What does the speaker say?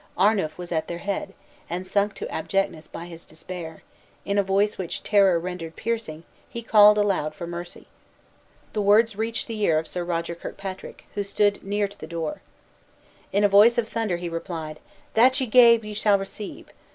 Arnuf was at their head, and sunk to abjectness by his despair, in a voice which terror rendered piercing, he called aloud for mercy. The words reached the ear of Sir Roger Kirkpatrick, who stood neared to the door. In a voice of thunder he replied, "That ye gave, ye shall receive.